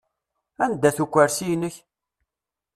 Anda-t ukursi-inek?